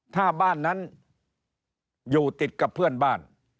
ถ้าบ้านนั้นอยู่ติดกับเพื่อนบ้าน